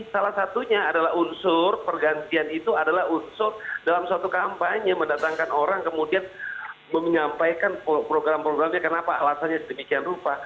salah satunya adalah unsur pergantian itu adalah unsur dalam suatu kampanye mendatangkan orang kemudian menyampaikan program programnya kenapa alasannya sedemikian rupa